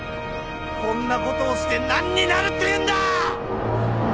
こんなことをして何になるっていうんだ！